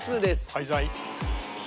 廃材。